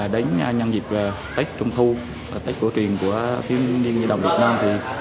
đến nhân dịp tết trung thu tết cổ truyền của tiên niên nhiên đồng việt nam